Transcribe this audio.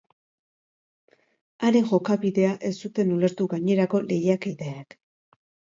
Haren jokabidea ez zuten ulertu gainerako lehiakideek.